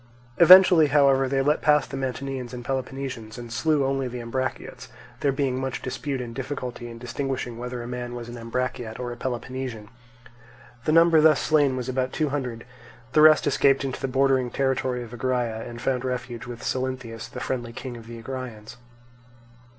Eventually, however, they let pass the Mantineans and Peloponnesians, and slew only the Ambraciots, there being much dispute and difficulty in distinguishing whether a man was an Ambraciot or a Peloponnesian. The number thus slain was about two hundred; the rest escaped into the bordering territory of Agraea, and found refuge with Salynthius, the friendly king of the Agraeans.